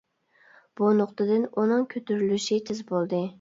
بۇ نۇقتىدىن ئۇنىڭ كۆتۈرۈلۈشى تېز بولدى.